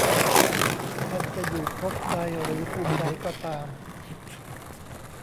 ท่านจะอยู่ภพใดหรือภูมิใดก็ตาม